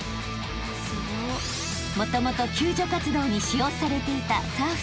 ［もともと救助活動に使用されていたサーフ